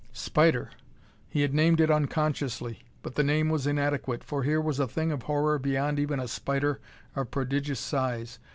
Spider! He had named it unconsciously. But the name was inadequate, for here was a thing of horror beyond even a spider of prodigious size.